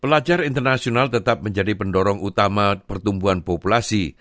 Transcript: pelajar internasional tetap menjadi pendorong utama pertumbuhan populasi